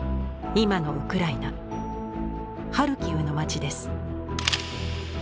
今のウクライナハルキウの町です。